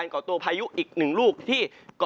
ก่อตัวพยุค์อีก๑ลูกที่